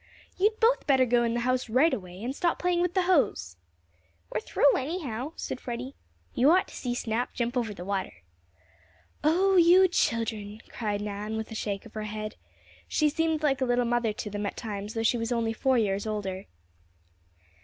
"You'd both better go in the house right away, and stop playing with the hose." "We're through, anyhow," said Freddie. "You ought to see Snap jump over the water." "Oh, you children!" cried Nan, with a shake of her head. She seemed like a little mother to them at times, though she was only four years older.